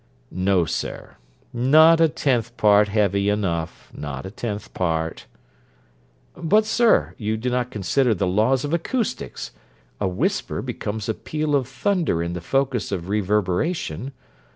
No, sir; not a tenth part heavy enough, not a tenth part.' 'But, sir, you do not consider the laws of acoustics: a whisper becomes a peal of thunder in the focus of reverberation.